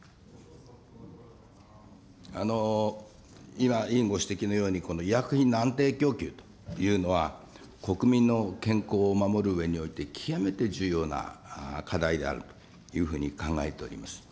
今、委員ご指摘のように、この医薬品の安定供給というのは、国民の健康を守るうえにおいて、極めて重要な課題であるというふうに考えております。